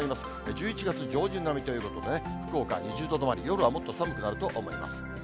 １１月上旬並みということでね、福岡２０度止まり、夜はもっと寒くなると思います。